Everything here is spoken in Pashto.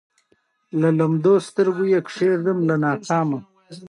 مچمچۍ خپل وخت ضایع نه کوي